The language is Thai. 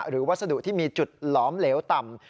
วัสดุที่มีจุดหลอมเหลวต่ำ